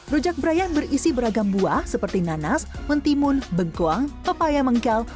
rujak brian berisi beragam buah seperti nanas mentimun bengkuang pepaya mengkal